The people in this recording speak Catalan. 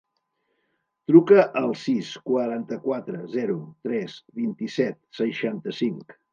Truca al sis, quaranta-quatre, zero, tres, vint-i-set, seixanta-cinc.